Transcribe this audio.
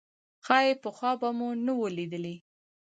ښايي پخوا به مو نه وه لیدلې.